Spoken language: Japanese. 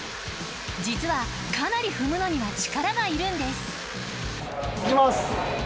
実はかなり踏むのには力がいるんですいきます。